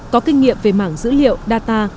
có kinh nghiệm về mảng dữ liệu data